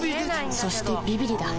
そしてビビリだ